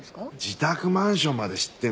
自宅マンションまで知ってるんだぞ？